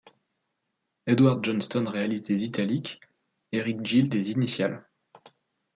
Edward Johnston réalise des italiques, Eric Gill des initiales.